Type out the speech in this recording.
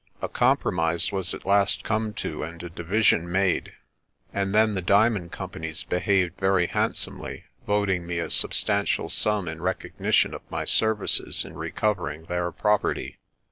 A compro mise was at last come to and a division made; and then the diamond companies behaved very handsomely, voting me a substantial sum in recognition of my services in recovering their property.